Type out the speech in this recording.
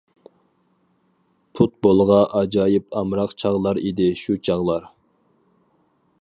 پۇتبولغا ئاجايىپ ئامراق چاغلار ئىدى شۇ چاغلار.